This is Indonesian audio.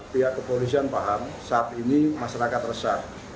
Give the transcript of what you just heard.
pihak kepolisian paham saat ini masyarakat resah